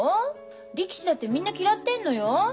力士だってみんな嫌ってんのよ。